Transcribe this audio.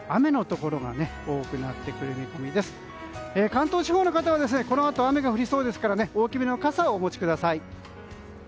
関東地方の方はこのあと、雨が降りそうですから大きめの傘をお持ちください。